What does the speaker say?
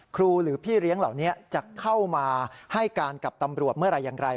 ครูหรือพี่เลี้ยงเหล่านี้จะเข้ามาให้การกับตำรวจเมื่อไหร่อย่างไร